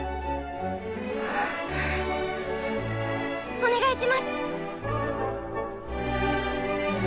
お願いします！